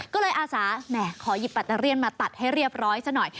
ก็เลยอาสาแหมขอหยิบแบตเตอเลียนมาตัดให้เรียบร้อยซะหน่อย